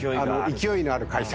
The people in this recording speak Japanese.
勢いのある会社。